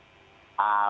begitu ya pak juara